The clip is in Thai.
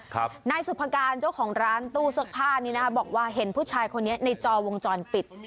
นายสุภการเจ้าของร้านตู้เสื้อผ้านี้นะบอกว่าเห็นผู้ชายคนนี้ในจอวงจรปิด